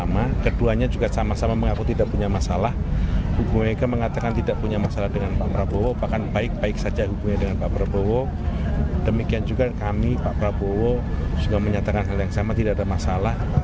muzani juga menyatakan hal yang sama tidak ada masalah